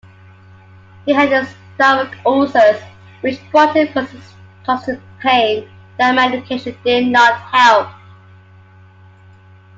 He had stomach ulcers, which brought him constant pain that medication did not help.